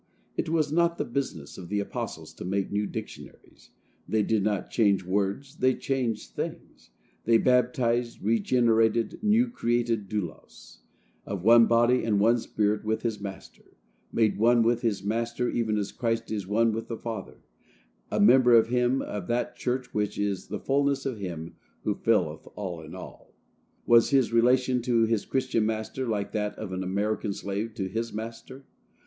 It was not the business of the apostles to make new dictionaries; they did not change words,—they changed things. The baptized, regenerated, new created doulos, of one body and one spirit with his master, made one with his master, even as Christ is one with the Father, a member with him of that church which is the fulness of Him who filleth all in all,—was his relation to his Christian master like that of an American slave to his master?